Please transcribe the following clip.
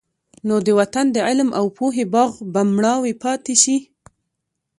نو د وطن د علم او پوهې باغ به مړاوی پاتې شي.